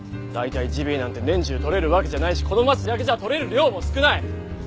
大体ジビエなんて年中とれるわけじゃないしこの町だけじゃとれる量も少ない！